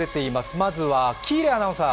まずは喜入アナウンサー。